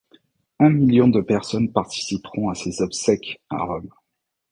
Un million de personnes participeront à ses obsèques à Rome.